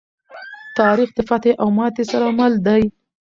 تاریخ د فتحې او ماتې سره مل دی.